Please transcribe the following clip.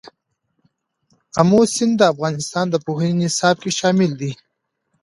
آمو سیند د افغانستان د پوهنې نصاب کې شامل دی.